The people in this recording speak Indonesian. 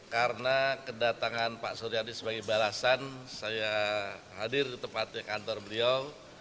karena kedatangan pak suryadi sebagai balasan saya hadir di tempatnya kantor beliau